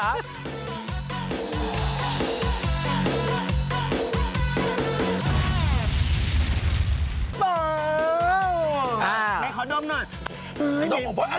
ให้ขอนมนุ่น